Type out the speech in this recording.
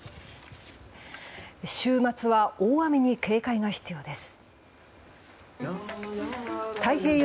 週末は、大雨に警戒が必要です。